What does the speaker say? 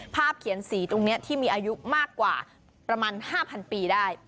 เขียนสีตรงนี้ที่มีอายุมากกว่าประมาณ๕๐๐ปีได้